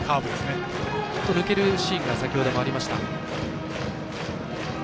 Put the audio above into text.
抜けるシーンが先ほどもありました。